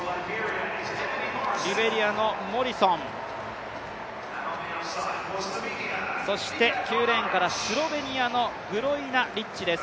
リベリアのモリソン、そして９レーンからスロベニアのグロイナリッチです。